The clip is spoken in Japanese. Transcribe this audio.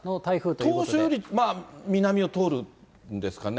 当初より南を通るんですかね。